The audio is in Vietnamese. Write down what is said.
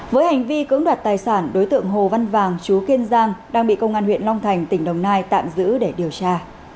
với hành vi cưỡng đoạt tài sản đối tượng hồ văn vàng chú kiên giang đang bị công an huyện long thành tỉnh đồng nai tạm giữ để điều tra